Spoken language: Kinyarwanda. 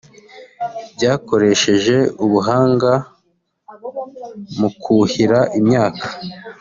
byakoresheje ubuhanga mu kuhira imyaka